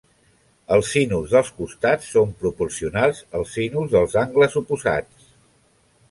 Els sinus dels costats són proporcionals als sinus dels angles oposats.